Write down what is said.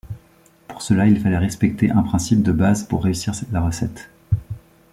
Pour cela, il fallait respecter un principe de base pour réussir la recette.